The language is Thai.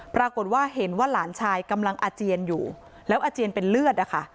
ปรากฏว่าเห็นว่าหลานชายกำลังอาเจียนอยู่แล้วอาเจียนเป็นเลือดนะคะ